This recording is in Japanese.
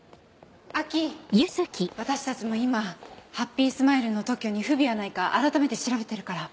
亜季私たちも今ハッピースマイルの特許に不備がないか改めて調べてるから。